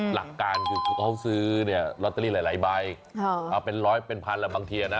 หลักการคือเขาซื้อเนี่ยลอตเตอรี่หลายใบเป็นร้อยเป็นพันแล้วบางทีนะ